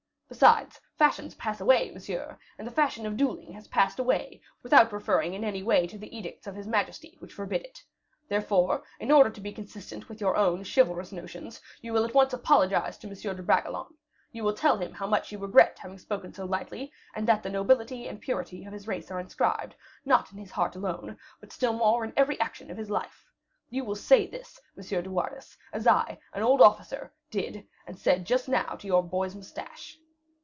Besides, fashions pass away, monsieur, and the fashion of duelling has passed away, without referring in any way to the edicts of his majesty which forbid it. Therefore, in order to be consistent with your own chivalrous notions, you will at once apologize to M. de Bragelonne; you will tell him how much you regret having spoken so lightly, and that the nobility and purity of his race are inscribed, not in his heart alone, but still more in every action of his life. You will do and say this, M. de Wardes, as I, an old officer, did and said just now to your boy's moustache."